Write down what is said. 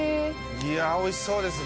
いや美味しそうですね。